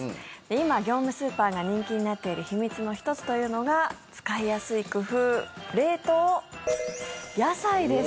今、業務スーパーが人気になっている秘密の１つというのが使いやすい工夫冷凍野菜です。